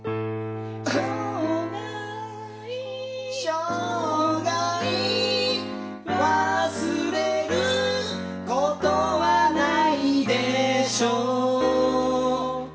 「生涯忘れることはないでしょう」。